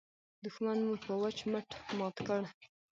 دوښمن مو په وچ مټ مات کړ.